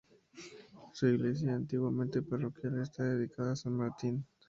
Su iglesia, antiguamente parroquial, está dedicada a San Martín.